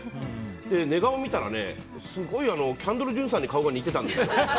寝顔見たらすごいキャンドル・ジュンさんに顔が似てたんですよ。